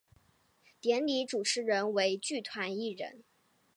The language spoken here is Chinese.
典礼主持人为剧团一人。